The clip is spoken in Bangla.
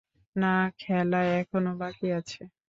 না, খেলা এখনো বাকি আছে।